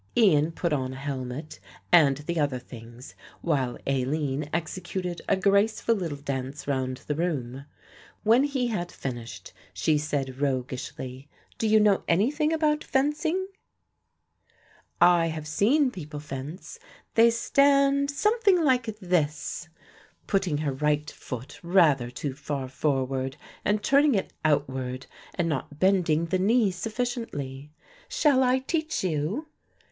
Ian put on a helmet and the other things while Aline executed a graceful little dance round the room. When he had finished she said roguishly, "Do you know anything about fencing? I have seen people fence. They stand something like this," putting her right foot rather too far forward and turning it outward and not bending the knee sufficiently. "Shall I teach you?"